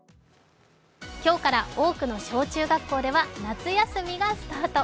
今日から多くの小中学校では夏休みがスタート。